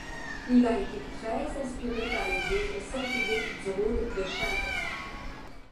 Il a été très inspiré par l'Église Saint-Philippe-du-Roule de Chalgrin.